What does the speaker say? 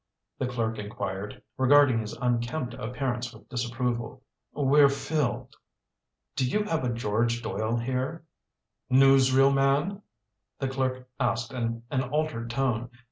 the clerk inquired, regarding his unkempt appearance with disapproval. "We're filled." "Do you have a George Doyle here?" "Newsreel man?" the clerk asked in an altered tone.